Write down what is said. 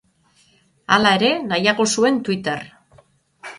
Hala ere, nahiago zuen Twitter.